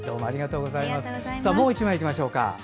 もう１枚いきましょうか。